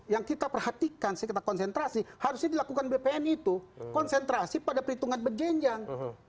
yang kita perhatikan kita konsentrasi harusnya dilakukan bpn itu konsentrasi pada perhitungan berjenjang